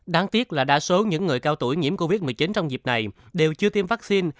đáng tiếc là đa số những người cao tuổi nhiễm covid một mươi chín trong dịp này đều chưa tiêm vaccine